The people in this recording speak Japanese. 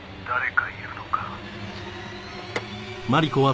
「誰かいるのか？」